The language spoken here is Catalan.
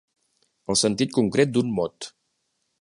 El sentit concret d'un mot.